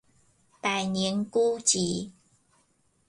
百年孤寂